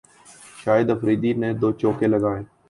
شاہد آفریدی نے دو چھکے لگائے